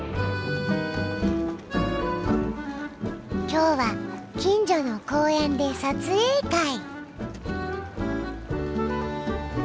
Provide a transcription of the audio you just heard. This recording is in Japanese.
今日は近所の公園で撮影会。